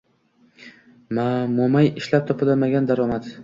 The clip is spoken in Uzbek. Mo‘may ishlab topilmagan daromad